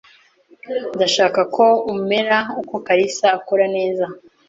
Ndashaka ko umea ko Kalisa akora neza.